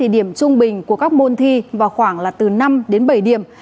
điểm trung bình của các môn thi vào khoảng là từ năm đến bảy điểm